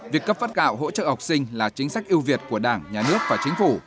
việc cấp phát gạo hỗ trợ học sinh là chính sách ưu việt của đảng nhà nước và chính phủ